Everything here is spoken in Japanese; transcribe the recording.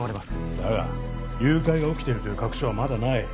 ダメだ誘拐が起きているという確証はまだない